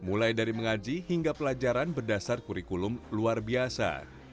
mulai dari mengaji hingga pelajaran berdasar kurikulum luar biasa